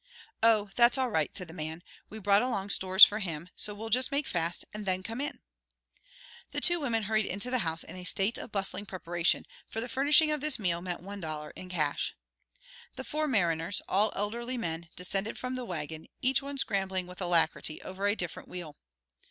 "Oh, that's all right," said the man, "we brought along stores for him, so we'll just make fast and then come in." The two women hurried into the house in a state of bustling preparation, for the furnishing of this meal meant one dollar in cash. The four mariners, all elderly men, descended from the wagon, each one scrambling with alacrity over a different wheel.